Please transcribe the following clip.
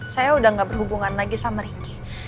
saya udah gak berhubungan lagi sama ricky